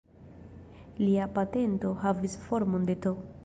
Lia patento havis formon de "T".